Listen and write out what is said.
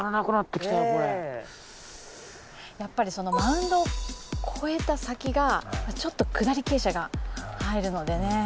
やっぱりそのマウンドを越えた先がちょっと下り傾斜が入るのでね